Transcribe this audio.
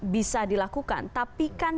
bisa dilakukan tapi kan